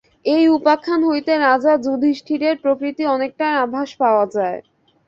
এই উপাখ্যান হইতে রাজা যুধিষ্ঠিরের প্রকৃতির অনেকটা আভাস পাওয়া যায়।